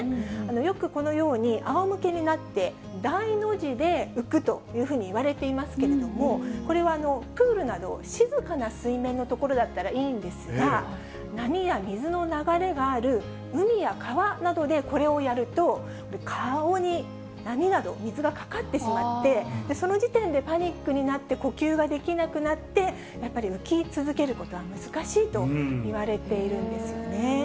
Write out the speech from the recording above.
よくこのように、あおむけになって大の字で浮くというふうにいわれていますけれども、これはプールなど、静かな水面の所だったらいいんですが、波や水の流れがある海や川などでこれをやると、顔に波など水がかかってしまって、その時点でパニックになって呼吸ができなくなって、やっぱり浮き続けることは難しいといわれているんですよね。